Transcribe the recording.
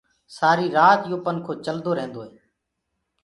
سآري رآت يو پنکو چلدو ريهندو هي